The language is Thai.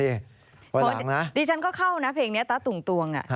เดี๋ยวก็เข้าเท่านั้นนะเค้กนี้คือตาตุ่งตวง